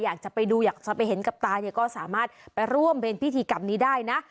อยากจะไปดูอยากจะไปเห็นกับตาเนี่ยก็สามารถไปร่วมเป็นพิธีกรรมนี้ได้นะ